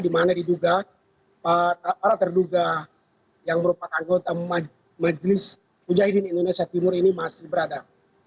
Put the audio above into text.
di mana diduga para terduga yang merupakan anggota majelis mujahidin indonesia timur ini masih berada